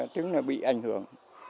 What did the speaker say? tứ này bị ảnh hưởng